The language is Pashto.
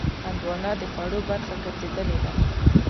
هندوانه د خوړو برخه ګرځېدلې ده.